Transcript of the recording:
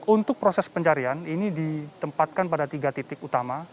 untuk proses pencarian ini ditempatkan pada tiga titik utama